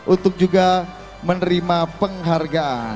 untuk juga menerima penghargaan